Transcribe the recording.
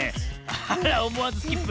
あらおもわずスキップ。